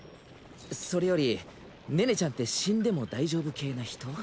それより寧々ちゃんって死んでも大丈夫系な人？